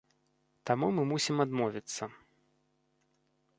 Таму мы мусім адмовіцца.